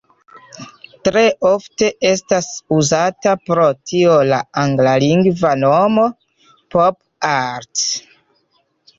Tre ofte estas uzata pro tio la anglalingva nomo "pop art".